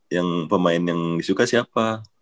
yang pemain yang disuka siapa